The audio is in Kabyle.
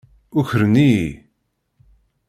Ukren-iyi.